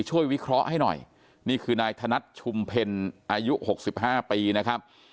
วิเคราะห์ให้หน่อยนี่คือนายธนัดชุมเพ็ญอายุ๖๕ปีนะครับ